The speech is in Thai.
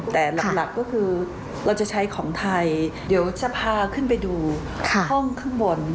แต่หลักก็คือเราจะใช้ของไทยเดี๋ยวจะพาขึ้นไปดูห้องข้างบน